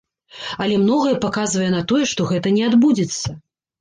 Але многае паказвае на тое, што гэта не адбудзецца.